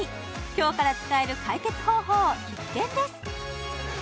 今日から使える解決方法必見です！